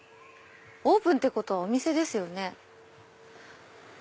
オープンってことはお店ですよね。